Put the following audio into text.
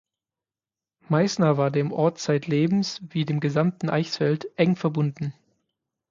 Meisner war dem Ort zeitlebens, wie dem gesamten Eichsfeld, eng verbunden.